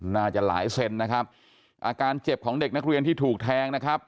น่าจะหลายเซนนะครับอาการเจ็บของเด็กนักเรียนที่ถูกแทงนะครับ